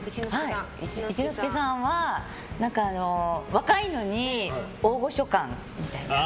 一之輔さんは若いのに大御所感みたいな。